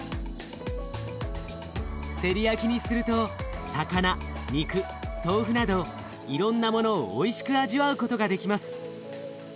テリヤキにすると魚肉豆腐などいろんなものをおいしく味わうことができます。